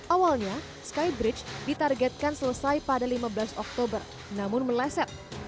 awalnya skybridge ditargetkan selesai pada lima belas oktober namun meleset